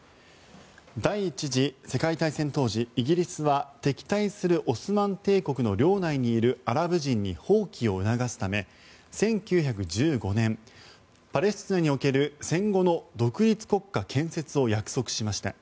第１次世界大戦当時、イギリスは敵対するオスマン帝国の領内にいるアラブ人に蜂起を促すため１９１５年、パレスチナにおける戦後の独立国家建設を約束しました。